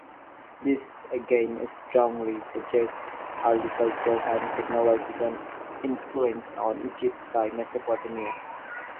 This again strongly suggests early cultural and technological influence on Egypt by Mesopotamia.